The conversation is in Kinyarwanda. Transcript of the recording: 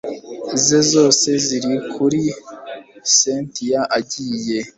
ze zose ziri kuri cyntia agiye